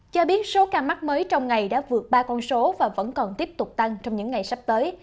cho biết số ca mắc mới trong ngày đã vượt ba con số và vẫn còn tiếp tục tăng trong những ngày sắp tới